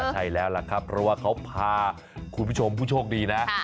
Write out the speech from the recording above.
ใช่แล้วล่ะครับเพราะว่าเขาพาคุณผู้ชมผู้โชคดีนะ